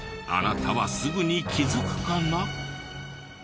あなたはすぐに気づくかな？